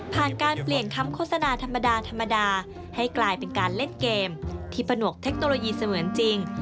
ผ่านการเปลี่ยนคำโฆษณาธรรมดาธรรมดาให้กลายเป็นการเล่นเกมที่ผนวกเทคโนโลยีเสมือนจริง